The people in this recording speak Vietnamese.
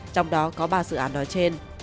trong đó có ba dự án nói trên